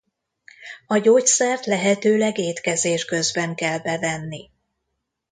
A gyógyszert lehetőleg étkezés közben kell bevenni.